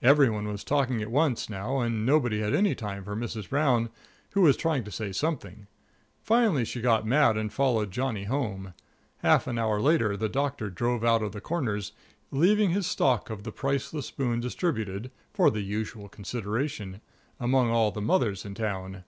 Every one was talking at once, now, and nobody had any time for Mrs. Brown, who was trying to say something. Finally she got mad and followed Johnny home. Half an hour later the Doctor drove out of the Corners, leaving his stock of the Priceless Boon distributed for the usual consideration among all the mothers in town.